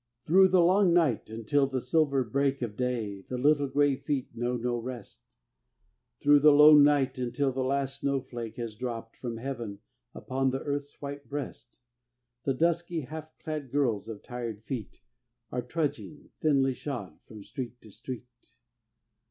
Through the long night until the silver break Of day the little gray feet know no rest, Through the lone night until the last snow flake Has dropped from heaven upon the earth's white breast, The dusky, half clad girls of tired feet Are trudging, thinly shod, from street to street.